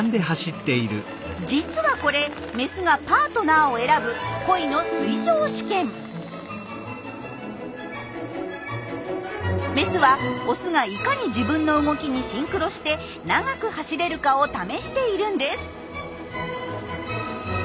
実はこれメスがパートナーを選ぶメスはオスがいかに自分の動きにシンクロして長く走れるかを試しているんです。